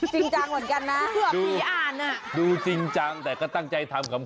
จริงจังเหมือนกันนะดูจริงจังแต่ก็ตั้งใจทำคำ